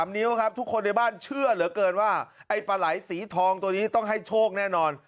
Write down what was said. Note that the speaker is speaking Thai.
นิ้วครับทุกคนในบ้านเชื่อเหลือเกินว่าไอ้ปลาไหลสีทองตัวนี้ต้องให้โชคแน่นอน